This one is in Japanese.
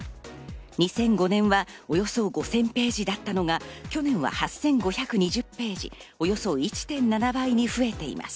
２００５年はおよそ５０００ページだったのが去年は８５２０ページ、およそ１．７倍に増えています。